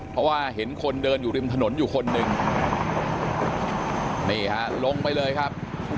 เพราะว่าเห็นคนเดินอยู่ริมถนนอยู่คนหนึ่งนี่ฮะลงไปเลยครับ